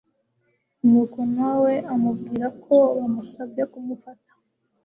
n'uko nawe amubwira ko bamusabye kumufata,